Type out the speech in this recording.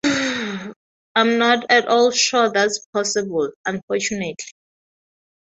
I'm not at all sure that's possible, unfortunately.